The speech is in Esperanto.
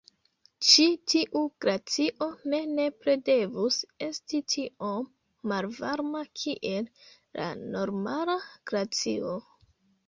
Ĉi tiu glacio ne nepre devus esti tiom malvarma kiel la normala glacio.